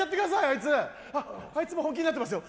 あいつあいつも本気になってますよ